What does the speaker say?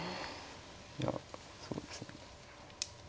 いやそうですね。